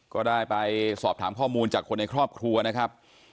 ก็ได้ไปสอบถามข้อมูลจากคนในครอบครัวนะครับ